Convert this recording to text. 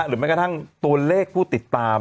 แม้กระทั่งตัวเลขผู้ติดตาม